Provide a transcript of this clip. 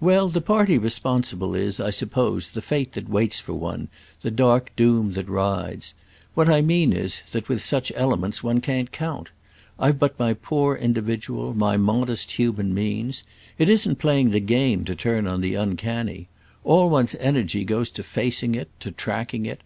"Well, the party responsible is, I suppose, the fate that waits for one, the dark doom that rides. What I mean is that with such elements one can't count. I've but my poor individual, my modest human means. It isn't playing the game to turn on the uncanny. All one's energy goes to facing it, to tracking it.